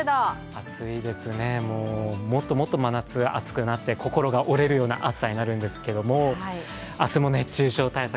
暑いですよね、もっともっと真夏暑くなって心が折れる暑さになるんですけど明日も熱中症対策